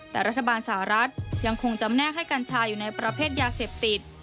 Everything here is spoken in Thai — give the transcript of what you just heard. แต่รัฐบาลสหรัฐยังคงจำแนกให้กัญชาอยู่ในประเภทยาเสพติด